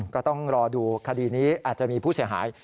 ก็ต้องรอดูคดีนี้อาจจะมีผู้เสียหาย